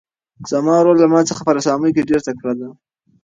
زما ورور له ما څخه په رسامۍ کې ډېر تکړه دی.